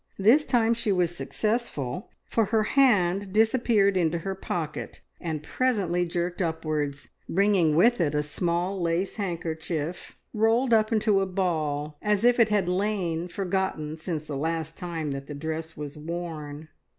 This time she was successful, for her hand disappeared into her pocket, and presently jerked upwards, bringing with it a small lace handkerchief rolled up into a ball, as if it had lain forgotten since the last time that the dress was worn.